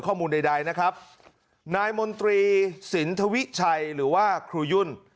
ข้อมูลใดนะครับนายมนตรีสินทวิชัยหรือว่าครูยุ่น